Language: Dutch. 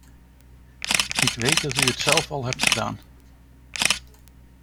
Ik weet dat u het zelf al hebt gedaan.